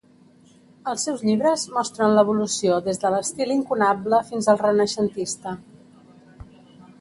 Els seus llibres mostren l’evolució des de l’estil incunable fins al renaixentista.